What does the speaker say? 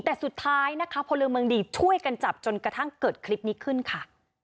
แต่สุดท้ายนะคะพลเมืองดีช่วยกันจับจนกระทั่งเกิดคลิปนี้ขึ้นค่ะ